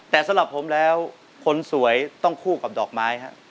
แต่สำหรับผมแล้วคนสวยต้องคู่กับดอกไม้ครับ